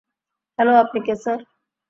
Hello, আপনি কে sir?